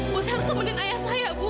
bu saya harus temuin ayah saya bu